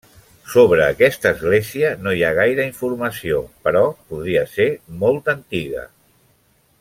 Sobre aquesta església no hi ha gaire informació, però podria ser molt antiga.